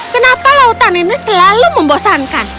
kenapa lautan ini selalu membosankan